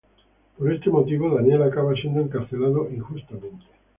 Por este motivo, Daniel acaba siendo encarcelado injustamente.